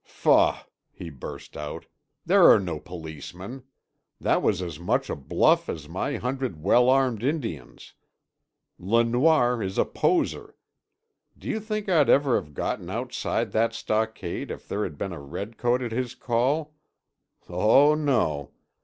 "Faugh!" he burst out. "There are no Policemen. That was as much a bluff as my hundred well armed Indians. Le Noir is a poser. Do you think I'd ever have gotten outside that stockade if there had been a redcoat at his call? Oh, no!